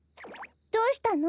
どうしたの？